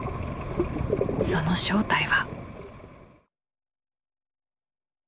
その正体は。